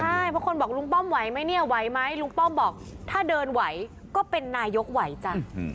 ใช่เพราะคนบอกลุงป้อมไหวไหมเนี่ยไหวไหมลุงป้อมบอกถ้าเดินไหวก็เป็นนายกไหวจ้ะ